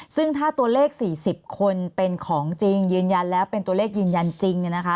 ซึ่งถ้าตัวเลข๔๐คนเป็นของจริงยืนยันแล้วเป็นตัวเลขยืนยันจริง